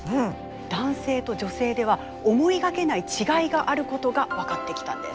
男性と女性では思いがけない違いがあることが分かってきたんです。